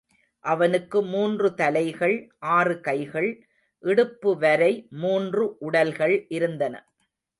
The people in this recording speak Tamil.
அவனுக்கு மூன்று தலைகள், ஆறு கைகள், இடுப்புவரை மூன்று உடல்கள் இருந்தன.